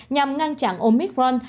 nhằm ngăn chặn omicron